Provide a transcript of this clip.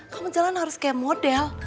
kamu jalan harus kayak model